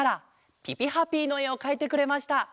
「ぴぴハピー」のえをかいてくれました。